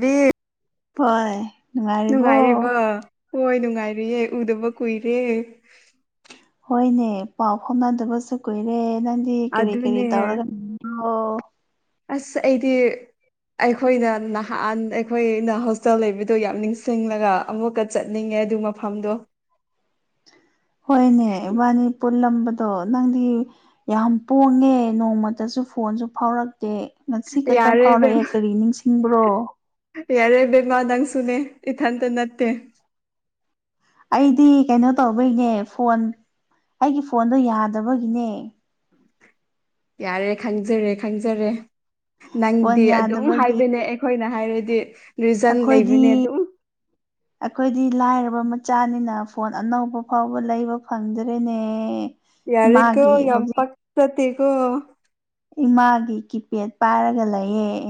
B ꯍꯣꯏ ꯅꯨꯉꯥꯏꯔꯤꯕꯣ ꯅꯨꯡꯉꯥꯏꯔꯤꯕ ꯍꯣꯏ ꯅꯨꯡꯉꯥꯏꯔꯤꯌꯦ ꯎꯗꯕ ꯀꯨꯏꯔꯦ꯫ ꯍꯣꯏꯅꯦ ꯄꯥꯎ ꯐꯥꯎꯅꯗꯕꯁꯨ ꯀꯨꯏꯔꯦ ꯅꯪꯗꯤ ꯀꯔꯤ ꯀꯔꯤ ꯑꯗꯨꯅꯦ ꯇꯧꯔꯒ ꯑꯣ ꯑꯁ ꯑꯩꯗꯤ ꯑꯩꯈꯣꯏꯅ ꯅꯍꯥꯟ ꯑꯩꯈꯣꯏꯅ ꯍꯣꯁꯇꯦꯜ ꯂꯩꯕꯗꯣ ꯌꯥꯝ ꯅꯤꯡꯁꯤꯡꯂꯒ ꯑꯃꯨꯛꯀ ꯆꯠꯅꯤꯡꯉꯦ ꯑꯗꯨ ꯃ ꯐꯝꯗꯣ ꯍꯣꯏꯅꯦ ꯏꯕꯥꯟꯅꯤ ꯄꯨꯟꯂꯝꯝꯕꯗꯣ ꯅꯪꯗꯤ꯫ ꯌꯥꯝ ꯄꯣꯡꯉꯦ ꯅꯣꯡꯃꯇꯁꯨ ꯐꯣꯟꯁꯨ ꯐꯥꯎꯔꯛꯇꯦ꯫ ꯉꯁꯤ ꯈꯛꯇ ꯌꯥꯔꯦ ꯕꯦꯝ ꯐꯥꯎꯔꯛꯑꯦ ꯀꯔꯤ ꯅꯤꯡꯁꯤꯡꯕ꯭ꯔꯣ꯫ ꯌꯥꯔꯦ ꯕꯦꯝꯃ ꯅꯪ ꯁꯨꯅꯦ ꯏꯊꯟꯇ ꯅꯠꯇꯦ꯫ ꯑꯩꯗꯤ ꯀꯩꯅꯣ ꯇꯧꯕꯒꯤꯅꯦ ꯐꯣꯟ ꯑꯩꯒꯤ ꯐꯣꯟꯗꯣ ꯌꯥꯗꯕꯒꯤꯅꯦ꯫ ꯌꯥꯔꯦ ꯈꯪꯖꯔꯦ ꯈꯪꯖꯔꯦ ꯐꯣꯟ ꯅꯪꯗꯤ ꯑꯗꯨꯝ ꯌꯥꯗꯕꯒꯤ ꯍꯥꯏꯕꯅꯦ ꯑꯩꯈꯣꯏꯅ ꯍꯥꯏꯔꯗꯤ ꯔꯤꯖꯟ ꯑꯩꯈꯣꯏꯗꯤ ꯂꯩꯕꯅꯦ ꯑꯗꯨꯝ ꯑꯩꯈꯣꯏꯗꯤ ꯂꯥꯏꯔꯕ ꯃꯆꯥꯅꯤꯅ ꯐꯣꯟ ꯑꯅꯧꯕ ꯐꯥꯎꯕ ꯂꯩꯕ ꯐꯪꯗ꯭ꯔꯦꯅꯦ꯫ ꯌꯥꯔꯦꯀꯣ ꯏꯃꯥꯒꯤ ꯌꯥꯝ ꯍꯧꯖꯤꯛ ꯄꯛꯆꯗꯦꯀꯣ ꯏꯃꯥꯒꯤ ꯀꯤꯄꯦꯗ ꯄꯥꯏꯔꯒ ꯂꯩꯑꯦ꯫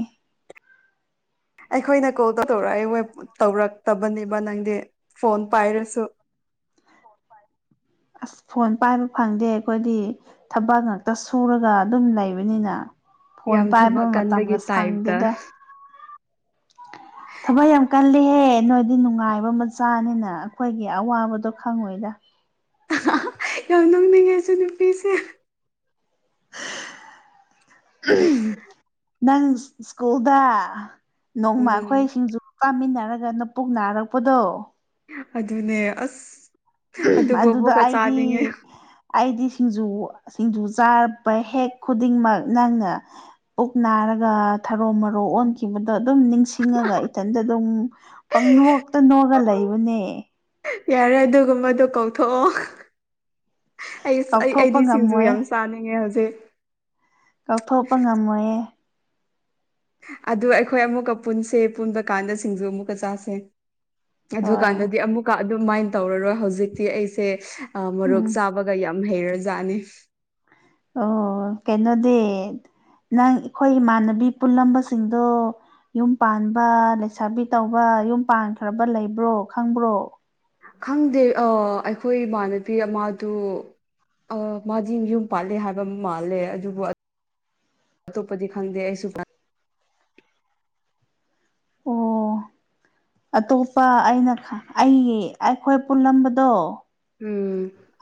ꯑꯩꯈꯣꯏꯅ ꯀꯣꯜ ꯇꯧꯔꯛꯏ ꯋꯦꯛ ꯇꯧꯔꯛꯇꯕꯅꯦꯕ ꯅꯪꯗꯤ ꯐꯣꯟ ꯄꯥꯏꯔꯁꯨ꯫ ꯑꯁ ꯐꯣꯟ ꯄꯥꯏꯕ ꯐꯪꯗꯦ ꯑꯩꯈꯣꯏꯗꯤ ꯊꯕꯛ ꯉꯥꯛꯇ ꯁꯨꯔꯒ ꯑꯗꯨꯝ ꯂꯩꯕꯅꯤꯅ꯫ ꯐꯣꯟ ꯌꯥꯝ ꯄꯥꯏꯕ ꯊꯕꯛ ꯃꯇꯝꯒ ꯀꯟꯕꯒꯤ ꯇꯥꯏꯞꯇ ꯁꯪꯗꯦꯗ꯫ ꯊꯕꯛ ꯌꯥꯝ ꯀꯜꯂꯦꯍꯦ ꯅꯣꯏꯗꯤ ꯅꯨꯡꯉꯥꯏꯕ ꯃꯆꯥꯅꯤꯅ ꯑꯩꯈꯣꯏꯒꯤ ꯑꯋꯥꯕꯗꯣ ꯈꯪꯉꯣꯏꯗ꯫ ꯌꯥꯝ ꯅꯣꯛꯅꯤꯡꯉꯦ ꯑꯁꯤ ꯅꯨꯄꯤꯁꯦ꯫ ꯅꯪ ꯁ꯭ꯀꯨꯜꯗ ꯅꯣꯡꯃ ꯑꯩꯈꯣꯏ ꯎꯝ ꯁꯤꯡꯖꯨ ꯇꯥꯃꯤꯟꯅꯔꯒ ꯅꯄꯨꯛ ꯅꯥꯔꯛꯄꯗꯣ ꯑꯗꯨꯅꯦ ꯑꯁ ꯑꯗꯨꯕꯨ ꯑꯗꯨꯗ ꯑꯃꯨꯛꯀ ꯑꯩꯗꯤ ꯆꯥꯅꯤꯡꯉꯦ ꯑꯩꯗꯤ ꯁꯤꯡꯖꯨ ꯁꯤꯡꯖꯨ ꯆꯥꯕ ꯍꯦꯛ ꯈꯨꯗꯤꯡꯃꯛ ꯅꯪꯅ ꯄꯨꯛ ꯅꯥꯔꯒ ꯊꯔꯣ ꯃꯔꯣ ꯑꯣꯟꯈꯤꯕꯗꯣ ꯑꯗꯨꯝ ꯅꯤꯡꯁꯤꯡꯉꯒ ꯏꯊꯟꯗ ꯑꯗꯨꯝ ꯄꯪꯅꯣꯛꯇ ꯅꯣꯛꯑꯒ ꯂꯩꯕꯅꯦ꯫ ꯌꯥꯔꯦ ꯑꯗꯨꯒꯨꯝꯕꯗꯣ ꯀꯧꯊꯣꯛꯑꯣ꯫ ꯑꯩꯁ ꯑꯩ ꯀꯥꯎꯊꯣꯛꯄ ꯑꯩꯗꯤ ꯁꯤꯡꯖꯨ ꯉꯝꯃꯣꯏ ꯌꯥꯝ ꯆꯥꯅꯤꯡꯉꯦ ꯍꯧꯖꯤꯛ꯫ ꯀꯥꯎꯊꯣꯛꯄ ꯉꯝꯃꯣꯏꯌꯦ꯫ ꯑꯗꯨ ꯑꯩꯈꯣꯏ ꯑꯃꯨꯛꯀ ꯄꯨꯟꯁꯦ ꯄꯨꯟꯕ ꯀꯥꯟꯗ ꯁꯤꯡꯖꯨ ꯑꯃꯨꯛꯀ ꯆꯥꯁꯦ꯫ ꯑꯗꯨ ꯍꯣꯏ ꯀꯥꯟꯗꯗꯤ ꯑꯃꯨꯛꯀ ꯑꯗꯨꯃꯥꯏꯅ ꯇꯧꯔꯔꯣꯏ ꯍꯧꯖꯤꯛꯇꯤ ꯑꯩꯁꯦ ꯃꯔꯣꯛ ꯎꯝ ꯆꯥꯕ ꯒ ꯌꯥꯝ ꯍꯩꯔꯖꯥꯠꯅꯦ꯫ ꯑꯣ ꯀꯩꯅꯣꯗꯤ ꯅꯪ ꯑꯩꯈꯣꯏ ꯏꯃꯥꯟꯅꯕꯤ ꯄꯨꯜꯂꯝꯕꯁꯤꯡꯗꯣ ꯌꯨꯝ ꯄꯥꯟꯕ ꯂꯩꯁꯥꯕꯤ ꯇꯧꯕ ꯌꯨꯝ ꯄꯥꯟꯈ꯭ꯔꯕ ꯂꯩꯕ꯭ꯔꯣ ꯈꯪꯕ꯭ꯔꯣ꯫ ꯈꯪꯗꯦ ꯑꯩꯈꯣꯏ ꯏꯃꯥꯟꯅꯕꯤ ꯑꯃꯗꯨ ꯑ ꯃꯥꯗꯤ ꯌꯨꯝ ꯄꯥꯜꯂꯦ ꯍꯥꯏꯕ ꯃꯥꯜꯂꯦ ꯑꯗꯨꯕꯨ ꯑꯇꯣꯞꯄꯗꯤ ꯈꯪꯗꯦ ꯑꯩꯁꯨ ꯑꯣ꯫ ꯑꯇꯣꯞꯄ ꯑꯩꯅ ꯑꯩ ꯑꯩꯈꯣꯏ ꯄꯨꯜꯂꯝꯕꯗꯣ ꯎꯝ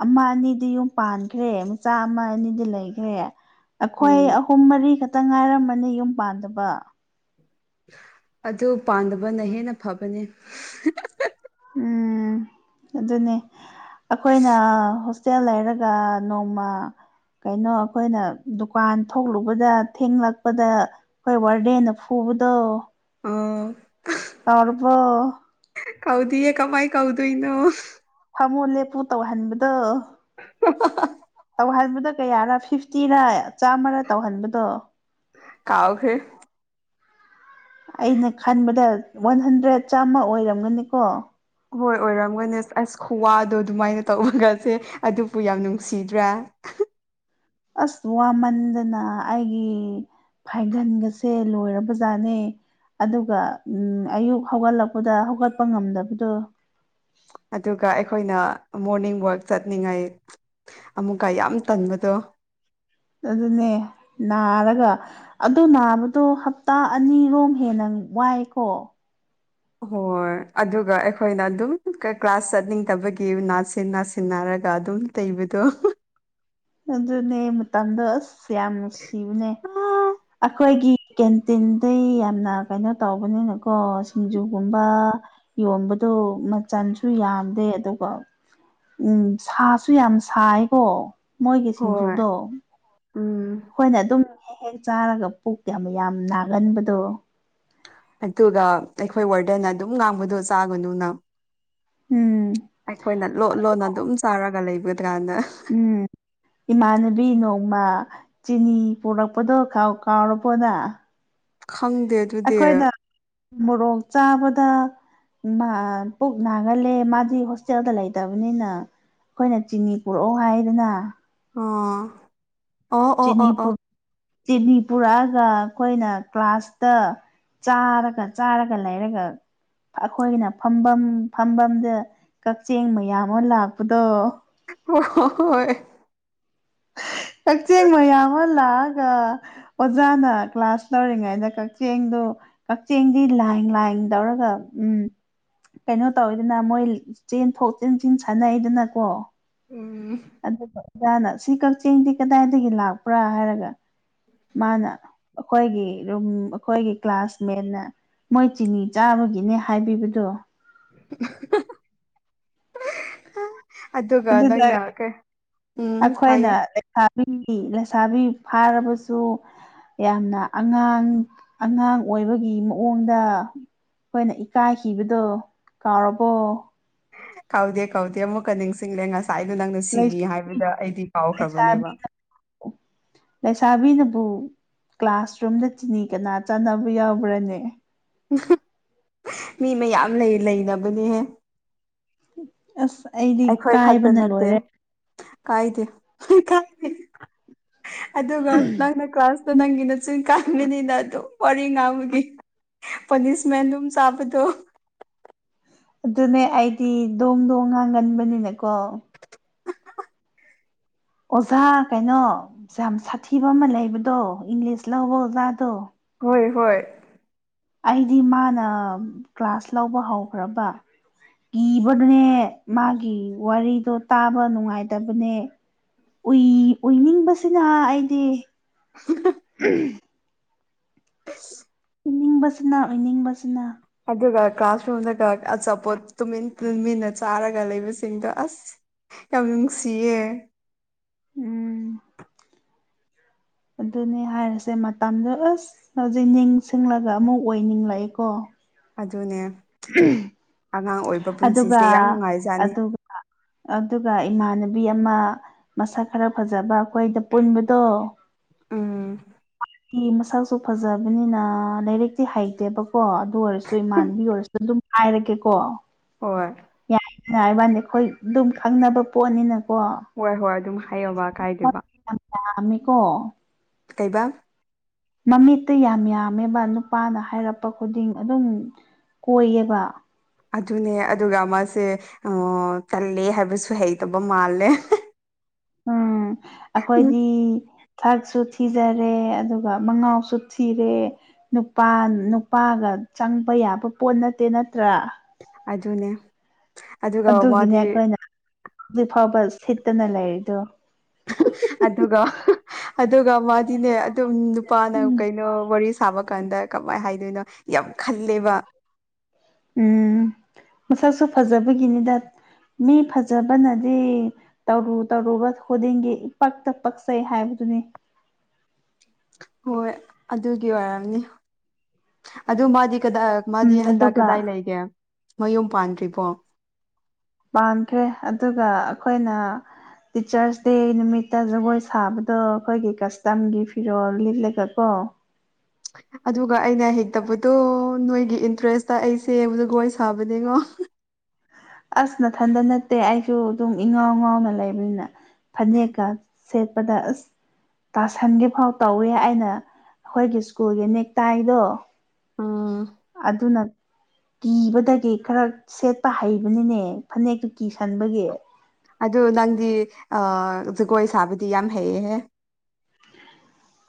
ꯑꯃ ꯑꯅꯤꯗꯤ ꯌꯨꯝ ꯄꯥꯟꯈ꯭ꯔꯦ ꯃꯆꯥ ꯑꯃ ꯑꯅꯤꯗꯤ ꯂꯩꯈ꯭ꯔꯦ꯫ ꯑꯩꯈꯣꯏ ꯎꯝ ꯑꯍꯨꯝ ꯃꯔꯤ ꯈꯛꯇ ꯉꯥꯏꯔꯝꯃꯅꯤ ꯌꯨꯝ ꯄꯥꯟꯗꯕ꯫ ꯑꯗꯨ ꯄꯥꯟꯗꯕꯅ ꯍꯦꯟꯅ ꯐꯕꯅꯦ ꯎꯝ ꯑꯗꯨꯅꯦ꯫ ꯑꯩꯈꯣꯏꯅ ꯍꯣꯁꯇꯦꯜ ꯂꯩꯔꯒ ꯅꯣꯡꯃ ꯀꯩꯅꯣ ꯑꯩꯈꯣꯏꯅ ꯗꯨꯀꯥꯟ ꯊꯣꯛꯂꯨꯕꯗ ꯊꯦꯡꯂꯛꯄꯗ ꯑꯩꯈꯣꯏ ꯋꯥꯔꯗꯦꯅ ꯐꯨꯕꯗꯣ꯫ ꯎꯝ ꯀꯥꯎꯔꯕꯣ꯫ ꯀꯥꯎꯗꯤꯌꯦ ꯀꯃꯥꯏ ꯀꯥꯎꯗꯣꯏꯅꯣ꯫ ꯐꯝꯃꯨ ꯂꯦꯞꯄꯨ ꯇꯧꯍꯟꯕꯗꯣ꯫ [unintelligible] ꯇꯧꯍꯟꯕꯗ ꯀꯌꯥꯔ ꯐꯤꯐꯇꯤꯔ ꯆꯥꯃꯔ ꯇꯧꯍꯟꯕꯗꯣ꯫ ꯀꯥꯎꯈ꯭ꯔꯦ꯫ ꯑꯩꯅ ꯈꯟꯕꯗ ꯋꯥꯟ ꯍꯟꯗ꯭ꯔꯦꯠ ꯆꯥꯝꯃ ꯑꯣꯏꯔꯝꯒꯅꯤꯀꯣ꯫ ꯍꯣꯏ ꯑꯣꯏꯔꯝꯒꯅꯦꯁ ꯑꯁ ꯈꯨꯋꯥꯗꯣ ꯑꯗꯨꯃꯥꯏꯅ ꯇꯧꯕꯒꯁꯦ ꯑꯗꯨꯕꯨ ꯌꯥꯝ ꯅꯨꯡꯁꯤꯗ꯭ꯔꯥ꯫ ꯑꯁ ꯋꯥꯃꯟꯗꯅ ꯑꯩꯒꯤ ꯐꯥꯏꯒꯟꯒꯁꯦ ꯂꯣꯏꯔꯕꯖꯥꯠꯅꯦ꯫ ꯑꯗꯨꯒ ꯑꯌꯨꯛ ꯍꯧꯒꯠꯂꯛꯄꯗ ꯍꯧꯒꯠꯄ ꯉꯝꯗꯕꯗꯣ꯫ ꯑꯗꯨꯒ ꯑꯩꯈꯣꯏꯅ ꯃꯣꯔꯅꯤꯡ ꯋꯥꯛ ꯆꯠꯅꯤꯡꯉꯥꯏ ꯑꯃꯨꯛꯀ ꯌꯥꯝ ꯇꯟꯕꯗꯣ꯫ ꯑꯗꯨꯅꯦ ꯅꯥꯔꯒ ꯑꯗꯨ ꯅꯥꯕꯗꯣ ꯍꯞꯇꯥ ꯑꯅꯤꯔꯣꯝ ꯍꯦꯟꯅ ꯋꯥꯏꯀꯣ꯫ ꯍꯣꯏ ꯑꯗꯨꯒ ꯑꯩꯈꯣꯏꯅ ꯑꯗꯨꯝ ꯀ꯭ꯂꯥꯁ ꯆꯠꯅꯤꯡꯗꯕꯒꯤ ꯅꯥꯁꯤꯟ ꯅꯥꯁꯤꯟꯅꯔꯒ ꯑꯗꯨꯝ ꯇꯩꯕꯗꯣ꯫ ꯑꯗꯨꯅꯦ ꯃꯇꯝꯗꯣ ꯑꯁ ꯌꯥꯝ ꯅꯨꯡꯁꯤꯕꯅꯦ ꯑꯩꯈꯣꯏꯒꯤ ꯀꯦꯟꯇꯤꯟꯗꯩ ꯌꯥꯝꯅ ꯀꯩꯅꯣ ꯇꯧꯕꯅꯤꯅꯀꯣ ꯁꯤꯡꯖꯨꯒꯨꯝꯕ ꯌꯣꯟꯕꯗꯣ ꯃꯆꯟꯁꯨ ꯌꯥꯝꯗꯦ ꯑꯗꯨꯒ ꯎꯝ ꯁꯥꯁꯨ ꯌꯥꯝ ꯁꯥꯏꯀꯣ ꯃꯣꯏꯒꯤ ꯍꯣꯏ ꯁꯤꯡꯖꯨꯗꯣ ꯎꯝ ꯑꯩꯈꯣꯏꯅ ꯑꯗꯨꯝ ꯍꯦꯛ ꯍꯦꯛ ꯆꯥꯔꯒ ꯄꯨꯛꯛꯇꯤ ꯌꯥꯝ ꯌꯥꯝ ꯅꯥꯒꯟꯕꯗꯣ ꯑꯗꯨꯒ ꯑꯩꯈꯣꯏ ꯋꯥꯔꯗꯦꯟ ꯑꯗꯨꯝ ꯉꯥꯡꯕꯗꯣ ꯆꯥꯒꯅꯨꯅ ꯎꯝ ꯑꯩꯈꯣꯏꯅ ꯂꯣꯠ ꯂꯣꯟꯅ ꯑꯗꯨꯝ ꯆꯥꯔꯒ ꯂꯩꯕꯗ꯭ꯔꯥꯅ ꯎꯝ ꯏꯃꯥꯟꯅꯕꯤ ꯅꯣꯡꯃ ꯆꯤꯅꯤ ꯄꯨꯔꯛꯄꯗꯣ ꯀꯥꯎꯔꯕꯣ ꯅꯪ ꯈꯪꯗꯦ ꯑꯗꯨꯗꯤ ꯑꯩꯈꯣꯏꯅ ꯃꯣꯔꯣꯛ ꯆꯥꯕꯗ ꯃꯥ ꯄꯨꯛ ꯅꯥꯒꯜꯂꯦ ꯃꯥꯗꯤ ꯍꯣꯁꯇꯦꯜꯗ ꯂꯩꯇꯕꯅꯤꯅ ꯑꯩꯈꯣꯏꯅ ꯆꯤꯅꯤ ꯄꯨꯔꯛꯑꯣ ꯍꯥꯏꯌꯦꯗꯅ ꯑꯣ ꯑꯣ ꯑꯣ ꯑꯣ ꯆꯤꯅꯤꯄꯨ ꯆꯤꯅꯤꯄꯨꯔꯛꯑꯒ ꯑꯩꯈꯣꯏꯅ ꯀ꯭ꯂꯥꯁꯇ ꯆꯥꯔꯒ ꯆꯥꯔꯒ ꯂꯩꯔꯒ ꯑꯩꯈꯣꯏꯒꯤꯅ ꯐꯝꯕꯝ ꯐꯝꯕꯝꯗ ꯀꯛꯆꯤꯡ ꯃꯌꯥꯝ ꯑꯃ ꯂꯥꯛꯄꯗꯣ ꯍꯣ ꯍꯣꯏ ꯀꯛꯆꯤꯡ ꯃꯌꯥꯝ ꯑꯃ ꯂꯥꯛꯑꯒ ꯑꯣꯖꯥꯅ ꯀ꯭ꯂꯥꯁ ꯇꯧꯔꯤꯉꯩꯗ ꯀꯛꯆꯤꯡꯗꯨ ꯀꯛꯆꯤꯡꯗꯤ ꯂꯥꯏ ꯂꯥꯏ ꯇꯧꯔꯒ ꯎꯝ ꯀꯩꯅꯣ ꯇꯧꯋꯤꯗꯅ ꯃꯣꯏ ꯆꯦꯟꯊꯣꯛ ꯆꯦꯟꯆꯤꯜ ꯁꯥꯟꯅꯩꯗꯅꯀꯣ ꯎꯝ ꯑꯗꯨꯒ ꯑꯣꯖꯥꯅ ꯁꯤ ꯀꯛꯆꯤꯡꯗꯤ ꯀꯗꯥꯏꯗꯒꯤ ꯂꯥꯛꯄ꯭ꯔꯥ ꯍꯥꯏꯔꯒ ꯃꯥꯅ ꯑꯩꯈꯣꯏꯒꯤ ꯔꯨꯝ ꯑꯩꯈꯣꯏꯒꯤ ꯀ꯭ꯂꯥꯁꯃꯦꯠꯅ ꯃꯣꯏ ꯆꯤꯅꯤ ꯆꯥꯕꯒꯤꯅꯦ ꯍꯥꯏꯕꯤꯕꯗꯣ [unintelligible] ꯑꯗꯨꯒ ꯑꯗꯨꯗ ꯅꯪꯅ ꯀꯩ ꯎꯝ ꯑꯩꯈꯣꯏꯅ ꯍꯥꯏꯌꯣ ꯕꯤ ꯂꯩꯁꯥꯕꯤ ꯐꯥꯔꯕꯁꯨ ꯌꯥꯝꯅ ꯑꯉꯥꯡ ꯑꯉꯥꯡ ꯑꯣꯏꯕꯒꯤ ꯃꯑꯣꯡꯗ ꯑꯩꯈꯣꯏꯅ ꯏꯀꯥꯏꯈꯤꯕꯗꯣ ꯀꯥꯎꯔꯕꯣ ꯀꯥꯎꯗꯦ ꯀꯥꯎꯗꯦ ꯑꯃꯨꯛꯀ ꯅꯤꯡꯁꯤꯡꯉꯦ ꯉꯁꯥꯏꯗꯣ ꯅꯪꯅ ꯆꯤꯅꯤ ꯍꯥꯏꯕꯗꯣ ꯑꯩꯗꯤ ꯀꯥꯎꯈ꯭ꯔꯕꯅꯦꯕ ꯑꯣ ꯂꯩꯁꯥꯕꯤꯅꯕꯨ ꯀ꯭ꯂꯥꯁꯔꯨꯝꯗ ꯆꯤꯅꯤ ꯀꯅꯥ ꯆꯥꯟꯅꯕ ꯌꯥꯎꯕ꯭ꯔꯅꯦ ꯃꯤ ꯃꯌꯥꯝ ꯂꯩ ꯂꯩꯅꯕꯅꯦꯍꯦ ꯑꯁ ꯑꯩꯗꯤ ꯑꯩꯈꯣꯏ ꯈꯛꯇ ꯢꯀꯥꯏꯕꯅ ꯅꯠꯇꯦ ꯂꯣꯏꯔꯦ ꯀꯥꯏꯗꯦ ꯀꯥꯏꯗꯦ ꯑꯗꯨꯒ ꯅꯪꯅ ꯀ꯭ꯂꯥꯁ ꯑꯗꯣ ꯅꯪꯒꯤ ꯅꯆꯨꯤꯡ ꯀꯥꯟꯕꯅꯤꯅ ꯑꯗꯨꯝ ꯋꯥꯔꯤ ꯉꯥꯡꯕꯒꯤ ꯄꯅꯤꯁꯃꯦꯟ ꯑꯗꯨꯝ ꯆꯥꯕꯗꯣ ꯑꯗꯨꯅꯦ ꯑꯩꯗꯤ ꯗꯣꯡ ꯗꯣꯡ ꯉꯥꯡꯒꯟꯕꯅꯤꯅꯀꯣ ꯑꯣꯖꯥ ꯀꯩꯅꯣ ꯌꯥꯝ ꯁꯥꯊꯤꯕ ꯑꯃ ꯂꯩꯕꯗꯣ ꯏꯪꯂꯤꯁ ꯂꯧꯕ ꯑꯣꯖꯥꯗꯣ ꯍꯣꯏ ꯍꯣꯏ ꯑꯩꯗꯤ ꯃꯥꯅ ꯀ꯭ꯂꯥꯁ ꯂꯧꯕ ꯍꯧꯈ꯭ꯔꯕ ꯀꯤꯕꯅꯦ ꯃꯥꯒꯤ ꯋꯥꯔꯤꯗꯣ ꯇꯥꯕ ꯅꯨꯡꯉꯥꯏꯇꯕꯅꯦ ꯎꯏ ꯎꯏꯅꯤꯡꯕꯁꯤꯅ ꯑꯩꯗꯤ [unintelligible] [unintelligible] ꯑꯁ ꯏꯅꯤꯡꯕꯁꯤꯅ ꯑꯣꯏꯅꯤꯡꯕꯁꯤꯅ ꯑꯗꯨꯒ ꯀ꯭ꯂꯥꯁꯔꯨꯝꯗꯒ ꯑꯆꯥꯄꯣꯠ ꯇꯨꯃꯤꯟ ꯇꯨꯃꯤꯟꯅ ꯆꯥꯔꯒ ꯂꯩꯕꯁꯤꯡꯗꯣ ꯑꯁ ꯌꯥꯝ ꯅꯨꯡꯁꯤꯌꯦ ꯎꯝ ꯑꯗꯨꯅꯦ ꯍꯥꯏꯔꯁꯦ ꯃꯇꯝꯗꯣ ꯑꯁ ꯍꯧꯖꯤꯛ ꯅꯤꯡꯁꯤꯡꯂꯥꯒ ꯑꯃꯨꯛ ꯑꯣꯏꯅꯤꯡ ꯂꯛꯑꯦꯀꯣ? ꯑꯗꯨꯅꯦ ꯑꯉꯥꯡ ꯑꯣꯏꯕ ꯑꯗꯨꯒ ꯄꯨꯟꯁꯤꯁꯦ ꯌꯥꯝ ꯅꯨꯉꯥꯏꯖꯠꯅꯤ꯫ ꯑꯗꯨꯒ ꯑꯗꯨꯒ ꯏꯃꯥꯟꯅꯕꯤ ꯑꯃ ꯃꯁꯛ ꯈꯔ ꯐꯖꯕ ꯑꯈꯣꯏꯗ ꯄꯨꯟꯕꯗꯣ? ꯎꯝ ꯀꯤ ꯃꯁꯛꯁꯨ ꯐꯖꯕꯅꯤꯅ ꯂꯥꯏꯔꯛꯇꯤ ꯍꯩꯇꯦꯕꯀꯣ ꯑꯗꯨ ꯑꯣꯏꯔꯁꯨ ꯏꯃꯥꯟꯅꯕꯤ ꯑꯣꯏꯔꯁꯨ ꯑꯗꯨꯝ ꯍꯥꯏꯔꯒꯦꯀꯣ? ꯍꯣꯏ ꯌꯥꯏ ꯅꯨꯉꯥꯏ [unintelligible] ꯈꯣꯏ ꯑꯗꯨꯝ ꯈꯪꯅꯕ ꯄꯣꯠꯅꯤꯅꯀꯣ ꯍꯣꯏ ꯍꯣꯏ ꯑꯗꯨꯝ ꯍꯥꯏꯌꯣꯕ ꯀꯥꯏꯗꯕ ꯌꯥꯝ ꯌꯥꯝꯃꯤꯀꯣ ꯀꯩꯕꯥ ꯃꯃꯤꯠꯇ ꯌꯥꯝ ꯌꯥꯝꯃꯦꯕ ꯅꯨꯄꯥꯅ ꯍꯥꯏꯔꯛꯄ ꯈꯨꯗꯤꯡ ꯑꯗꯨꯝ ꯀꯣꯏꯌꯦꯕ ꯑꯗꯨꯅꯦ ꯑꯗꯨꯒ ꯃꯥꯁꯦ [unintelligible] ꯇꯜꯂꯦ ꯍꯥꯏꯕꯁꯨ ꯍꯩꯇꯕ ꯃꯥꯜꯂꯦ ꯑꯈꯣꯏꯗꯤ ꯊꯥꯛꯁꯨ ꯊꯤꯖꯔꯦ ꯑꯗꯨꯒ ꯃꯉꯥꯎꯁꯨ ꯊꯤꯔꯦ ꯅꯨꯄꯥ ꯅꯨꯄꯥꯒ ꯆꯪꯕ ꯌꯥꯕ ꯄꯣꯠ ꯅꯠꯇꯦ ꯅꯠꯇ꯭ꯔꯥ? ꯑꯗꯨꯅꯦ ꯑꯗꯨꯒ ꯑꯗꯨꯒꯤꯅꯦ ꯃꯥꯗꯤ ꯑꯈꯣꯏꯅ ꯖꯤꯛ ꯐꯥꯎꯕ ꯁꯤꯠꯇꯅ ꯂꯩꯔꯤꯗꯣ ꯑꯗꯨꯒꯣ ꯑꯗꯨꯒ ꯃꯥ ꯇꯤꯅꯦ ꯑꯗꯨꯝ ꯅꯨꯄꯥꯅ ꯎꯝ ꯀꯩꯅꯣ ꯋꯥꯔꯤ ꯁꯥꯕꯛ ꯀꯥꯟꯗ ꯀꯃꯥꯏ ꯍꯥꯏꯗꯣꯏꯅꯣ ꯌꯥꯝ ꯈꯜꯂꯦꯕ ꯎꯝ ꯃꯁꯛꯁꯨ ꯐꯖꯕꯒꯤꯅꯤꯗ ꯃꯤ ꯐꯖꯕꯅꯗꯤ ꯇꯧꯔꯨ ꯇꯧꯔꯨꯕ ꯈꯨꯗꯤꯡꯒꯤ ꯏꯄꯛꯇ ꯄꯛꯆꯩ ꯍꯥꯏꯕꯗꯨꯅꯤ꯫ ꯍꯣꯏ ꯑꯗꯨꯒꯤ ꯑꯣꯏꯔꯝꯅꯤ ꯑꯗꯨ ꯃꯥꯗꯤ ꯀꯗꯥ ꯃꯥꯗꯤ ꯎꯝ ꯍꯟꯗꯛ ꯑꯗꯨꯒ ꯀꯗꯥꯏ ꯂꯩꯒꯦ ꯃꯌꯨꯝ ꯄꯥꯟꯗ꯭ꯔꯤꯕꯣ ꯄꯥꯟꯈ꯭ꯔꯦ ꯑꯗꯨꯒ ꯑꯩꯈꯣꯏꯅ ꯇꯤꯆ꯭ꯔꯁ ꯗꯦ ꯅꯨꯃꯤꯠꯇ ꯖꯒꯣꯏ ꯁꯥꯕꯗꯣ ꯑꯩꯈꯣꯏꯒꯤ ꯀꯁꯇꯝꯒꯤ ꯐꯤꯔꯣꯜ ꯂꯤꯠꯂꯒ ꯀꯣ ꯑꯗꯨꯒ ꯑꯩꯅ ꯍꯩꯇꯕꯗꯣ ꯅꯣꯏꯒꯤ ꯏꯟꯇ꯭ꯔꯦꯁꯇ ꯑꯩꯁꯦ ꯖꯒꯣꯏ ꯁꯥꯕꯅꯦꯉꯣ ꯑꯁ ꯅꯊꯟꯗ ꯅꯠꯇꯦ ꯑꯩꯁꯨ ꯑꯗꯨꯝ ꯏꯉꯥꯎ ꯉꯥꯎꯅ ꯂꯩꯕꯅꯤꯅ ꯐꯅꯦꯛꯀꯥ ꯁꯦꯠꯄꯗ ꯑꯁ ꯇꯥꯁꯟꯒꯦꯐꯥꯎ ꯇꯧꯋꯦ ꯑꯩꯅ ꯑꯈꯣꯏꯒꯤ ꯁ꯭ꯀꯨꯜꯒꯤ ꯅꯦꯛ ꯇꯥꯏꯗꯣ ꯎꯝ [unintelligible] ꯀꯤꯕꯗꯒꯤ ꯈꯔ ꯁꯦꯠꯄ ꯍꯩꯕꯅꯤꯅꯦ ꯐꯅꯦꯛꯇꯨ ꯀꯤꯁꯟꯕꯒꯤ꯫ ꯑꯗꯨ ꯅꯪꯗꯤ ꯑ ꯖꯒꯣꯏ ꯁꯥꯕꯗꯤ ꯌꯥꯝ ꯍꯩꯌꯦꯍꯦ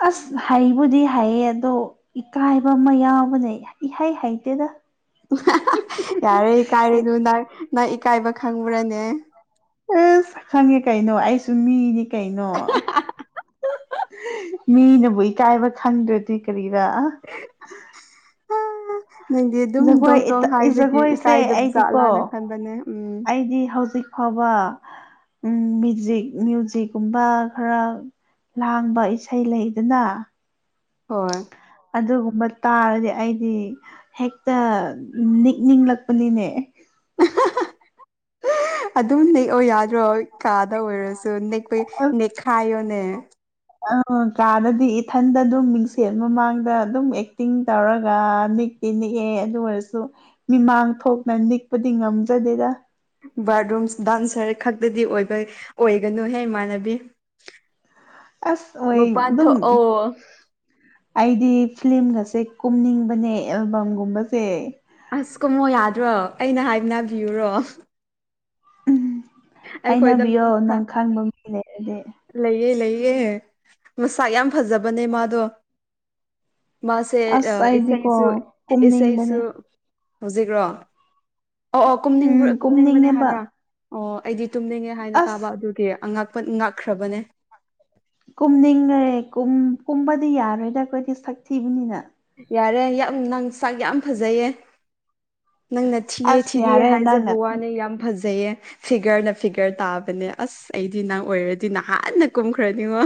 ꯑꯁ ꯍꯩꯕꯨꯗꯤ ꯍꯩꯌꯦ ꯑꯗꯣ ꯏꯀꯥꯏꯕ ꯑꯃ ꯌꯥꯎꯕꯅꯦ ꯏꯍꯩ ꯍꯩꯇꯦꯗ ꯌꯥꯔꯦ ꯏꯀꯥꯏꯔꯨꯅꯨ ꯅꯪ ꯅꯪ ꯏꯀꯥꯏꯕ ꯈꯪꯕ꯭ꯔꯥꯅꯦ ꯑꯁ ꯈꯪꯉꯦ ꯀꯩꯅꯣ ꯑꯩꯁꯨ ꯃꯤꯅꯤ ꯀꯩꯅꯣ꯫ ꯃꯤꯅꯕꯨ ꯏꯀꯥꯏꯕ ꯈꯪꯗ꯭ꯔꯗꯤ ꯀꯔꯤꯔꯥ- ꯑꯥ ꯅꯪꯗꯤ ꯑꯗꯨꯝ ꯖꯒꯣꯏ ꯗꯣꯡ ꯗꯣꯡ ꯍꯥꯏꯕꯒꯤ ꯖꯒꯣꯏꯁꯦ ꯏꯀꯥꯏꯗꯕ ꯑꯩꯗꯤꯀꯣ ꯖꯥꯠꯂꯥꯅ ꯈꯟꯕꯅꯦ ꯎꯝ꯫ ꯑꯩꯗꯤ ꯍꯧꯖꯤꯛ ꯐꯕ ꯎꯝ ꯃꯤꯖꯤꯛ ꯃ꯭ꯌꯨꯖꯤꯛꯀꯨꯝꯕ ꯈꯔ ꯂꯥꯡꯕ ꯏꯁꯩ ꯂꯩꯗꯅꯥ ꯍꯣꯏ ꯑꯗꯨꯒꯨꯝꯕ ꯇꯥꯔꯗꯤ ꯑꯩꯗꯤ ꯍꯦꯛꯇ ꯅꯤꯛꯅꯤꯡꯂꯛꯄꯅꯤꯅꯦ ꯑꯗꯨꯝ ꯅꯤꯛꯑꯣ ꯌꯥꯗ꯭ꯔꯣ ꯀꯥꯗ ꯑꯣꯏꯔꯁꯨ ꯅꯤꯛ__ ꯀꯨꯏ ꯅꯦꯈꯥꯏꯌꯣꯅꯦ ꯑꯧ ꯀꯥꯗꯗꯤ ꯏꯊꯟꯗ ꯑꯗꯨꯝ ꯃꯤꯡꯁꯦꯜ ꯃꯃꯥꯡꯗ ꯑꯗꯨꯝ ꯑꯦꯛꯇꯤꯡ ꯇꯧꯔꯒ ꯅꯤꯛ ꯇꯤꯅꯤꯛꯑꯦ ꯑꯗꯨ ꯑꯣꯏꯔꯁꯨ ꯃꯤꯃꯥꯡ ꯊꯣꯛꯅ ꯅꯤꯛꯄꯗꯤ ꯉꯝꯖꯗꯦꯗ ꯕꯥꯠꯔꯨꯝ ꯗꯥꯟꯁꯔ ꯈꯛꯇꯗꯤ ꯑꯣꯏꯕ ꯑꯣꯏꯒꯅꯨꯍꯦ ꯏꯃꯥꯟꯅꯕꯤ ꯑꯁ ꯑꯣꯏ ꯃꯄꯥꯟ ꯑꯗꯨꯝ ꯊꯣꯛ ꯑꯣ ꯑꯩꯗꯤ ꯐꯤꯂꯤꯝꯒꯁꯦ ꯀꯨꯝꯅꯤꯡꯕꯅꯦ ꯑꯦꯜꯕꯝꯒꯨꯝꯕꯁꯦ ꯑꯁ ꯀꯨꯝꯃꯣ ꯌꯥꯗ꯭ꯔꯣ ꯑꯩꯅ ꯍꯥꯏꯅꯕꯤꯌꯨꯔꯣ ꯑꯩꯈꯣꯏꯗ ꯍꯥꯏꯅꯕꯤꯌꯣ ꯅꯪ ꯈꯪꯕ ꯃꯤ ꯂꯩꯔꯗꯤ ꯂꯩꯌꯦ ꯂꯩꯌꯦ ꯃꯁꯛ ꯌꯥꯝ ꯐꯖꯕꯅꯦ ꯃꯥꯗꯣ꯫ ꯃꯥꯁꯦ ꯑꯁ ꯑꯥ ꯑꯩꯗꯤꯀꯣ ꯏꯁꯩꯁꯨ ꯏꯁꯩꯁꯨ ꯀꯨꯝꯅꯤꯡꯕꯅꯦ ꯍꯧꯖꯤꯛꯔꯣ ꯑꯣ ꯑꯣ ꯎꯝ ꯀꯨꯝꯅꯤꯡꯕꯔ ꯑꯥ ꯀꯨꯝꯅꯤꯡꯕꯅꯦ ꯀꯨꯝꯅꯤꯡꯉꯦꯕ ꯍꯥꯏꯕ ꯑꯣ ꯑꯩꯗꯤ ꯇꯨꯝꯅꯤꯡꯉꯦ ꯍꯥꯏꯅ ꯑꯁ ꯇꯥꯕ ꯑꯗꯨꯒꯤ ꯑꯉꯛꯄ ꯉꯛꯈ꯭ꯔꯕꯅꯦ ꯀꯨꯝꯅꯤꯡꯉꯦ ꯀꯨꯝ ꯀꯨꯝꯕꯗꯤ ꯌꯥꯔꯣꯏꯗ ꯑꯩꯈꯣꯏꯗꯤ ꯁꯛ ꯊꯤꯕꯅꯤꯅ꯫ ꯌꯥꯔꯦ ꯌꯥꯝ ꯅꯪ ꯁꯥꯛ ꯌꯥꯝ ꯐꯖꯩꯌꯦ ꯅꯪꯅꯠ__ ꯊꯤꯑꯦ ꯑꯁ ꯊꯤꯗꯦ ꯌꯥꯔꯦ ꯍꯥꯏꯖꯕ ꯅꯪꯅ ꯋꯥꯅꯦ ꯌꯥꯝ ꯐꯖꯩꯌꯦ ꯐꯤꯒꯔꯅ ꯐꯤꯒꯔ ꯇꯥꯕꯅꯦ ꯑꯁ ꯑꯁ ꯑꯩꯗꯤ ꯅꯪ ꯑꯣꯏꯔꯗꯤ ꯅꯍꯥꯟꯅ ꯀꯨꯝꯈ꯭ꯔꯅꯤꯉꯣ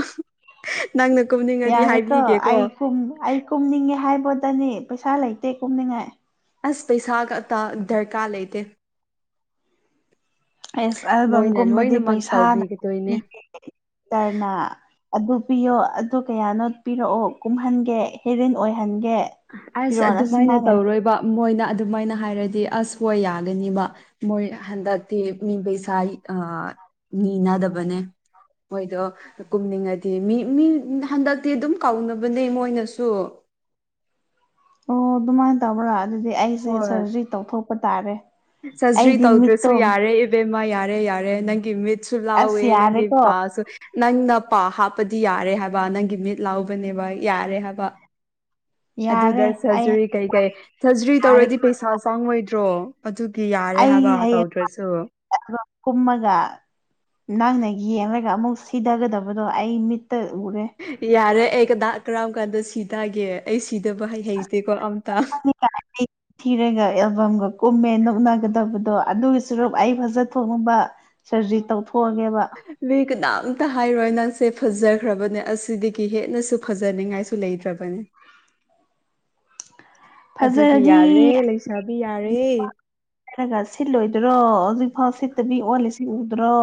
ꯅꯪꯅ ꯀꯨꯝꯅꯤꯡꯉꯗꯤ ꯍꯥꯏꯕꯤꯒꯦꯀꯣ ꯇꯨꯝ ꯑꯩꯛ__ ꯀꯨꯝꯅꯤꯡꯉꯦ ꯍꯥꯏꯕꯣꯗꯅꯦ ꯄꯩꯁꯥ ꯂꯩꯇꯦ ꯀꯨꯝꯅꯤꯉꯥꯏ ꯑꯁ ꯄꯩꯁꯥꯒ ꯑꯇꯥ ꯗꯔꯀꯥꯔ ꯂꯩꯇꯦ ꯑꯦꯁ ꯃꯣꯏꯅ ꯑꯦꯜꯕꯝꯒꯨꯝꯕꯗꯤ ꯂꯣꯏꯅꯃꯛ ꯄꯩꯁꯥꯅ ꯇꯧꯕꯤꯒꯗꯣꯏꯅꯦ [unintelligible] ꯇꯔꯅ ꯑꯗꯨ ꯄꯤꯌꯣ ꯑꯗꯨ ꯀꯌꯥꯅꯣ ꯄꯤꯔꯛꯑꯣ ꯀꯨꯝꯍꯟꯒꯦ ꯍꯦꯔꯤꯟ ꯑꯣꯏꯍꯟꯒꯦ ꯑꯁ ꯐꯤꯔꯣꯜ ꯑꯗꯨꯃꯥꯏꯅ ꯑꯁꯨꯃꯥꯏꯅ ꯇꯧꯔꯣꯏꯕ ꯃꯣꯏꯅ ꯑꯗꯨꯃꯥꯏꯅ ꯍꯥꯏꯔꯗꯤ ꯑꯁ ꯍꯣꯏ ꯌꯥꯒꯅꯤꯕ ꯃꯣꯏ ꯍꯟꯗꯛꯇꯤ ꯃꯤ ꯄꯩꯁꯥꯔꯤ ꯑꯥ ꯅꯤꯅꯗꯕꯅꯦ ꯃꯣꯏꯗꯣ ꯀꯨꯝꯅꯤꯡꯉꯗꯤ ꯃꯤ ꯃꯤ ꯍꯟꯗꯛꯇꯤ ꯑꯗꯨꯝ ꯀꯥꯎꯅꯕꯅꯦ ꯃꯣꯏꯅꯁꯨ ꯑꯣ ꯑꯗꯨꯃꯥꯏꯅ ꯇꯧꯕ꯭ꯔꯥ ꯑꯗꯨꯗꯤ ꯑꯩꯁꯦ ꯁꯔꯖ꯭ꯔꯤ ꯇꯧꯊꯣꯛꯄ ꯇꯥꯔꯦ ꯁꯔꯖ꯭ꯔꯤ ꯑꯩꯗꯤ ꯇꯧꯗ꯭ꯔꯁꯨ ꯃꯤꯠꯇꯣ ꯌꯥꯔꯦ ꯏꯕꯦꯝꯃ ꯌꯥꯔꯦ ꯌꯥꯔꯦ ꯅꯪꯒꯤ ꯃꯤꯠ ꯆꯨ ꯂꯥꯎꯋꯦ ꯑꯁ ꯅꯪꯒꯤ ꯌꯥꯔꯦꯀꯣ ꯄꯥꯁꯨ ꯅꯪꯅ ꯄꯥ ꯍꯥꯞꯄꯗꯤ ꯌꯥꯔꯦ ꯍꯥꯏꯕ ꯅꯪꯒꯤ ꯃꯤꯠ ꯂꯥꯎꯕꯅꯦꯕ ꯌꯥꯔꯦ ꯍꯥꯏꯕ ꯌꯥꯔꯦ ꯑꯗꯨꯗ ꯑꯩ ꯁꯔꯖꯥꯔꯤ ꯀꯩ ꯀꯩ ꯁꯔꯖ꯭ꯔꯤ ꯇꯧꯔꯗꯤ ꯌꯥꯔꯦꯀꯣ ꯄꯩꯁꯥ ꯆꯪ ꯉꯣꯏꯗ꯭ꯔꯣ? ꯑꯗꯨꯒꯤ ꯌꯥꯔꯦ ꯍꯥꯏꯕ ꯇꯧꯗ꯭ꯔꯁꯨ ꯑꯦꯜꯕꯝ ꯀꯨꯝꯃꯒ ꯅꯪꯅ ꯌꯦꯡꯔꯒ ꯑꯃꯨꯛ ꯁꯤꯗꯥꯒꯗꯕꯗꯣ ꯑꯩ ꯃꯤꯠꯇ ꯎꯔꯦ ꯌꯥꯔꯦ ꯑꯩ ꯀꯗꯥ ꯀꯔꯝ ꯀꯥꯟꯗ ꯁꯤꯗꯥꯒꯦ ꯑꯩ ꯁꯤꯗꯕ ꯍꯩ ꯍꯩꯇꯦꯀꯣ ꯑꯝꯇ [unintelligible] ꯊꯤꯔꯒ ꯑꯦꯜꯕꯝꯒ ꯀꯨꯝꯃꯦ ꯅꯣꯛꯅꯒꯗꯕꯗꯣ ꯑꯗꯨꯒꯤ ꯁꯨꯔꯨꯛ ꯑꯩ ꯐꯥꯖ ꯊꯣꯛꯅꯕ ꯁꯔꯖ꯭ꯔꯤ ꯇꯧꯊꯣꯛꯑꯒꯦꯕ ꯃꯤ ꯀꯅꯥꯝꯇ ꯍꯥꯏꯔꯣꯏ ꯅꯪꯁꯦ ꯐꯖꯈ꯭ꯔꯕꯅꯦ ꯑꯁꯤꯗꯒꯤ ꯍꯦꯟꯅꯁꯨ ꯐꯖꯅꯤꯡꯉꯥꯏꯁꯨ ꯁꯨ ꯂꯩꯇ꯭ꯔꯕꯅꯦ [unintelligible] ꯑꯗꯨꯒꯤ ꯌꯥꯔꯦ ꯂꯩꯁꯥꯕꯤ ꯌꯥꯔꯦ [unintelligible] ꯈ꯭ꯔꯒꯥ ꯁꯤꯠꯂꯣꯏꯗ꯭ꯔꯣ ꯍꯧꯖꯤꯛꯐꯥꯎ ꯁꯤꯠꯇꯕꯤ ꯑꯣꯜꯂꯤꯁꯤ ꯎꯗ꯭ꯔꯣ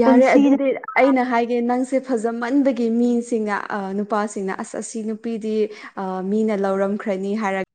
ꯌꯥꯔꯦ ꯄꯨꯟꯁꯤꯗ ꯑꯗꯨꯗꯤꯠ ꯑꯩꯅ ꯍꯥꯏꯒꯦ ꯅꯪꯁꯦ ꯐꯖꯥꯃꯟꯕꯒꯤ ꯃꯤꯁꯤꯡꯅ ꯑꯥ ꯅꯨꯄꯥꯁꯤꯡꯅ ꯑꯁ ꯑꯁꯤ ꯅꯨꯄꯤꯗꯤ ꯑꯥ ꯃꯤꯅ ꯂꯧꯔꯝꯈ꯭ꯔꯅꯤ ꯍꯥꯏꯔꯛ